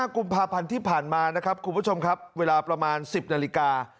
กุมภาพันธ์ที่ผ่านมานะครับคุณผู้ชมครับเวลาประมาณ๑๐นาฬิกา